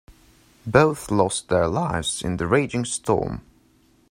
Both lost their lives in the raging storm.